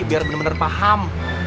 biar bener bener paham